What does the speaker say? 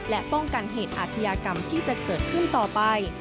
และป้องกันเหตุอาชญากรรมที่จะเกิดขึ้นต่อไป